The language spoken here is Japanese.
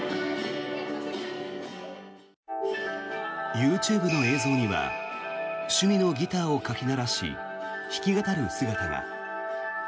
ＹｏｕＴｕｂｅの映像には趣味のギターをかき鳴らし弾き語る姿が。